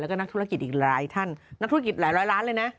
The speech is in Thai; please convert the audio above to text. แล้วก็นักธุรกิจอีกหลายท่านนักธุรกิจหลายร้อยล้านเลยนะ